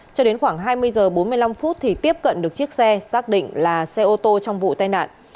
cho đến khoảng hai mươi h bốn mươi năm phút thì tiếp cận được chiếc xe xác định là xe ô tô trong vụ tai nạn